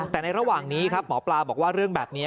แต่ในระหว่างนี้ครับหมอปลาบอกว่าเรื่องแบบนี้